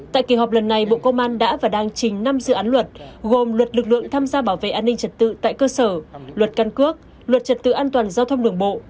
tại kỳ họp lần này bộ công an đã và đang trình năm dự án luật gồm luật lực lượng tham gia bảo vệ an ninh trật tự tại cơ sở luật căn cước luật trật tự an toàn giao thông đường bộ